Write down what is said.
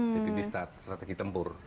jadi ini strategi tempur